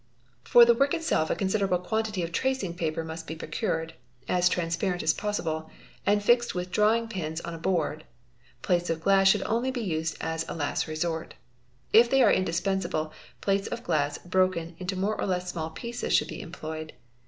For the work itself a considerable quantity of tracing paper must be procured (as transparent as possible) and fixed with drawing pins on a board. Plates of glass should only be used as a last resort. If they are indispensable, panes of glass broken into more or less small pieces should be employed.